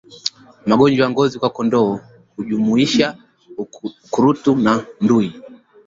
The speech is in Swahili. Magonjwa ya ngozi kwa kondoo hujumuisha ukurutu na ndui